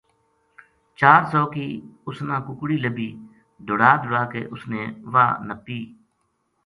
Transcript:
چار سو کی اس نا ککڑی لبھی دُڑا دُڑا کے اس نے وا ہ نپی